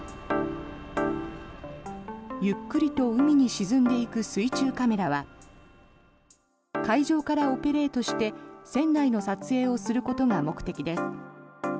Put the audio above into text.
ゆっくりと海に沈んでいく水中カメラは海上からオペレートして船内の撮影をすることが目的です。